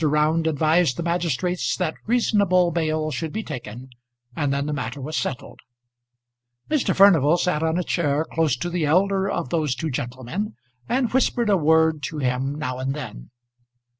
Round advised the magistrates that reasonable bail should be taken, and then the matter was settled. Mr. Furnival sat on a chair close to the elder of those two gentlemen, and whispered a word to him now and then.